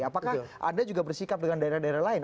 apakah anda juga bersikap dengan daerah daerah lain